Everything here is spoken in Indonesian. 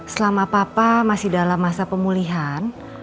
selama papa masih dalam masa pemulihan